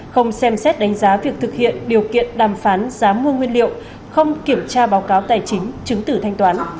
không xem xét đánh giá việc thực hiện điều kiện đàm phán giá mua nguyên liệu không kiểm tra báo cáo tài chính chứng tử thanh toán